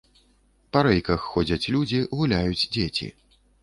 Па рэйках ходзяць людзі, гуляюць дзеці.